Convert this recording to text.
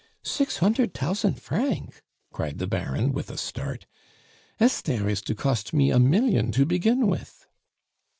"Six huntert tousant franc!" cried the Baron, with a start. "Esther is to cost me a million to begin with!"